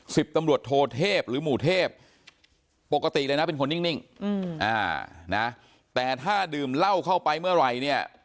สิบตำรวจโทเทพหรือหมู่เทพปกติเลยนะเป็นคนนิ่งนะแต่ถ้าดื่มเหล้าเข้าไปเมื่อไหร่เนี่ย